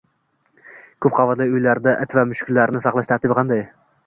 Ko’p qavatli uylarda it va mushuklarni saqlash tartibi qanday?